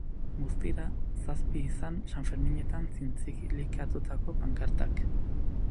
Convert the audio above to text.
Guztira, zazpi izan sanferminetan zintzilikatutako pankartak.